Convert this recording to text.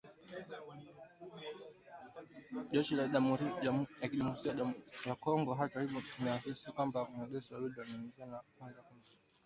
Jeshi la Jamuhuri ya Kidemokrasia ya Kongo hata hivyo linasisitiza kwamba wanajeshi hao wawili ni wanajeshi wa Rwanda na kwamba kamanda wao ni Lutenati Kenali